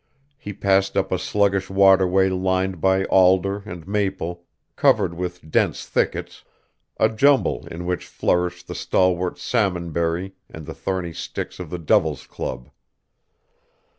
He passed up a sluggish waterway lined by alder and maple, covered with dense thickets, a jungle in which flourished the stalwart salmonberry and the thorny sticks of the devil's club.